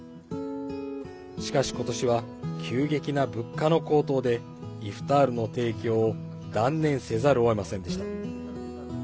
しかし、今年は急激な物価の高騰でイフタールの提供を断念せざるをえませんでした。